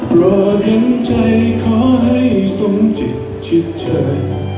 โปรดเห็นใจขอให้สังทิศพิเศษ